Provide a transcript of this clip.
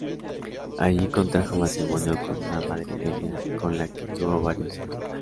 Allí contrajo matrimonio con una madrileña, con la que tuvo varios hijos.